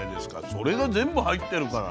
それが全部入ってるから。